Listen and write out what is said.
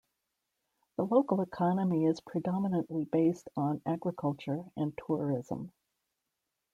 The local economy is predominantly based on agriculture and tourism.